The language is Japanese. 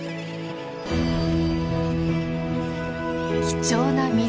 貴重な水。